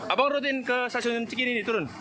apa rutin ke stasiun sekini ini turun